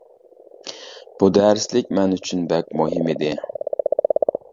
بۇ دەرسلىك مەن ئۈچۈن بەك مۇھىم ئىدى.